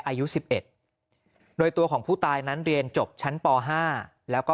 อายุ๑๑โดยตัวของผู้ตายนั้นเรียนจบชั้นป๕แล้วก็